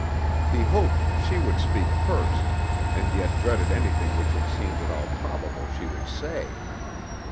He hoped she would speak first, and yet dreaded anything which it seemed at all probable she would say.